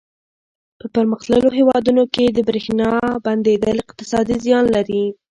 په پرمختللو هېوادونو کې د برېښنا بندېدل اقتصادي زیان لري.